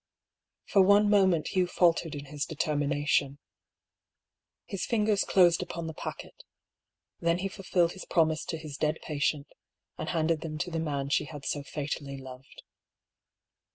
For one moment Hugh faltered in his determination. His fingers closed upon the packet; then he fulfilled his promise to his dead patient, and handed them to the man she had so fatally loved.